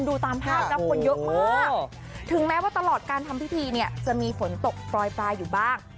ดูตามภาพนะคนเยอะมากถึงแม้ว่าตลอดการทำพิธีเนี่ยจะมีฝนตกปล่อยปลายอยู่บ้าง